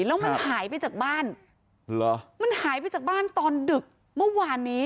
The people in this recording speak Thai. แล้วมันหายไปจากบ้านมันหายไปจากบ้านตอนดึกเมื่อวานนี้